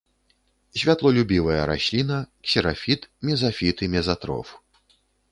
Святлолюбівая расліна, ксерафіт, мезафіт і мезатроф.